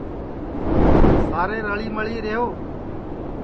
سارے رݪی مِݪی ریہو